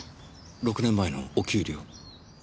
６年前のお給料。